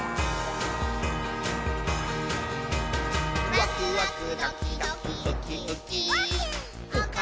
「ワクワクドキドキウキウキ」ウッキー。